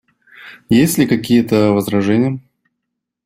Есть ли какие-то возражения?